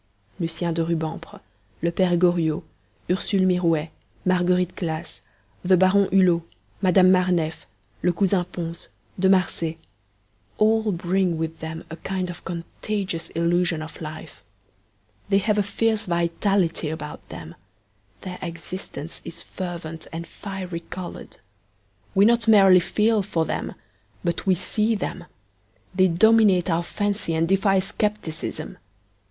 Lucien de Rubempre, le Pere Goriot, Ursule Mirouet, Marguerite Claes, the Baron Hulot, Madame Marneffe, le Cousin Pons, De Marsay all bring with them a kind of contagious illusion of life. They have a fierce vitality about them: their existence is fervent and fiery coloured; we not merely feel for them but we see them they dominate our fancy and defy scepticism.